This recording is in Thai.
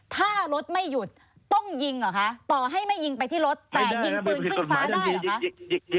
ถ้ารถไม่หยุดต้องยิงเหรอคะต่อให้ไม่ยิงไปที่รถ